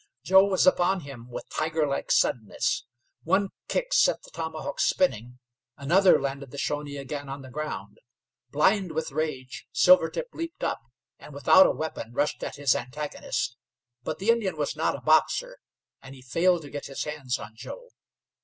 Joe was upon him with tigerlike suddenness. One kick sent the tomahawk spinning, another landed the Shawnee again on the ground. Blind with rage, Silvertip leaped up, and without a weapon rushed at his antagonist; but the Indian was not a boxer, and he failed to get his hands on Joe.